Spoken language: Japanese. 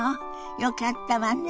よかったわね。